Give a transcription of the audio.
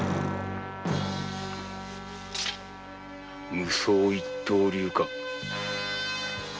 無想一刀流か。